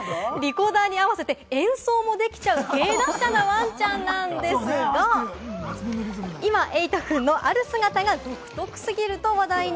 リコーダーに合わせて演奏もできちゃう芸達者なワンちゃんなんですが、今、えいとくんのある姿が独特過ぎると話題に。